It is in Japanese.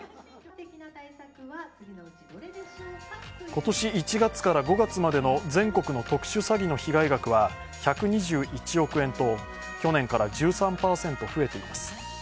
今年１月から５月までの全国の特殊詐欺の被害額は１２１億円と去年から１３％増えています。